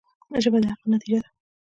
ژبه د عقل نتیجه ده